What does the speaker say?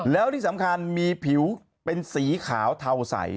แล้วที่สำคัญมีผิวเป็นสีขาวเทาใส